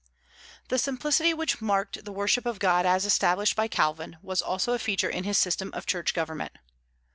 The simplicity which marked the worship of God as established by Calvin was also a feature in his system of church government.